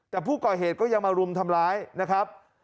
แต่ผู้ก่อเหตุก็ยังมารุมทำร้ายนะครับ